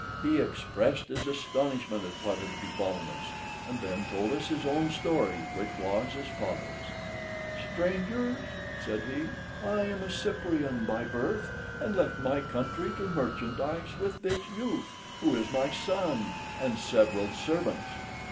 He expressed his astonishment at what had befallen us, and then told us his own story, which was as follows: "Strangers," said he, "I am a Cyprian by birth, and left my country to merchandise with this youth, who is my son, and several servants.